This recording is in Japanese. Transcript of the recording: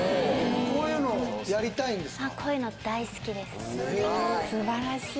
こういうのやりたいんですか？